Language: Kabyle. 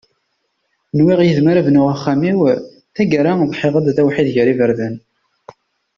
Nwiɣ yid-m ara bnuɣ axxam-iw, tagara ḍḥiɣ-d d awḥid ger iberdan.